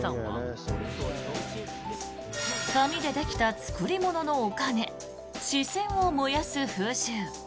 紙でできた作り物のお金紙銭を燃やす風習。